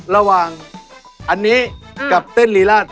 มันต้องก่อนเต่นที่บาง